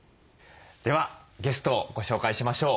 ではゲストをご紹介しましょう。